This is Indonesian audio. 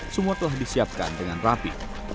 semua telah disiapkan dengan rapi